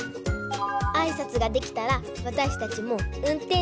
あいさつができたらわたしたちもうんてんしゅ